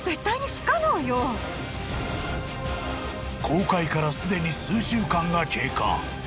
［公開からすでに数週間が経過］